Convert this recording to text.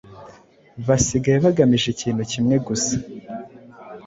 Basigaye bagamije ikintu kimwe gusa